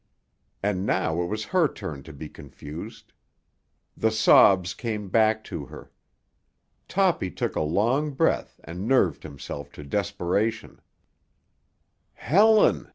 And now it was her turn to be confused. The sobs came back to her. Toppy took a long breath and nerved himself to desperation. "Helen!"